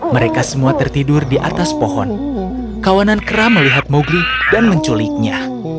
mereka semua tertidur di atas pohon kawanan kera melihat mowgli dan menculiknya